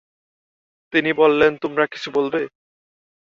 তিনি বললেন, তোমরা কিছু বলবে?